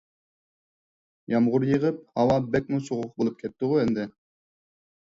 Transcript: يامغۇر يېغىپ ھاۋا بەكمۇ سوغۇق بولۇپ كەتتىغۇ ئەمدى.